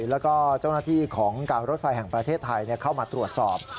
แล้วก็เจ้าหน้าที่ของการรถไฟแห่งประเทศไทยเข้ามาตรวจสอบ